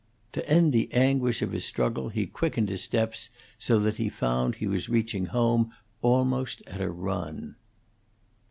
To end the anguish of his struggle he quickened his steps, so that he found he was reaching home almost at a run.